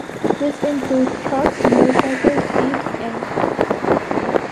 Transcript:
This includes trucks, motorcycles, jeeps and cars.